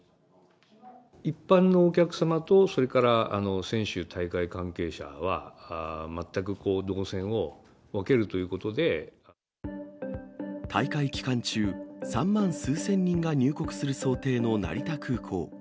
一般のお客様と、それから選手、大会関係者は、大会期間中、３万数千人が入国する想定の成田空港。